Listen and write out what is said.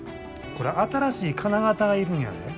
これ新しい金型が要るんやで。